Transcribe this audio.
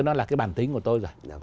nó là cái bản tính của tôi rồi